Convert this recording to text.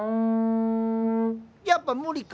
やっぱ無理か。